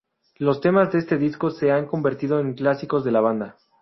Los temas de este disco se han convertido en clásicos de la banda.